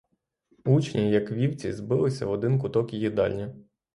Учні, як вівці, збилися в один куток їдальні.